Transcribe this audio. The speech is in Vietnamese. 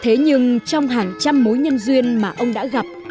thế nhưng trong hàng trăm mối nhân duyên mà ông đã gặp